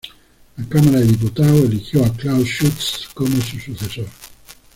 La Cámara de Diputados eligió a Klaus Schütz como su sucesor.